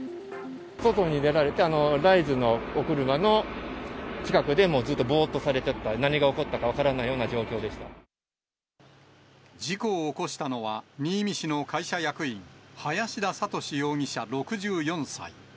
外に出られて、ライズのお車の近くで、もうずっとぼーっとされちゃった、何が起こったか分からないような事故を起こしたのは、新見市の会社役員、林田覚容疑者６４歳。